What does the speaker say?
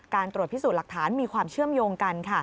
ตรวจพิสูจน์หลักฐานมีความเชื่อมโยงกัน